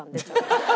ハハハハ！